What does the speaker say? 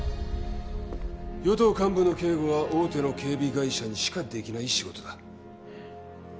与党幹部の警護は大手の警備会社にしかできない仕事だ。